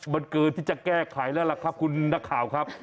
มันเกินที่จะแก้ไขแล้วล่ะครับคุณนักข่าวครับ